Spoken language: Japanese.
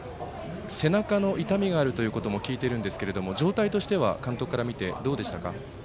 背中の痛みがあるということも聞いているんですけども状態としては監督から見てどうでしたか？